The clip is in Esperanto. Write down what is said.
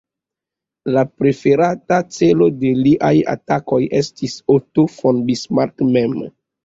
La preferata celo de liaj atakoj estis Otto von Bismarck mem.